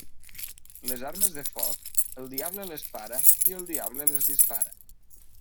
Les armes de foc, el diable les para i el diable les dispara.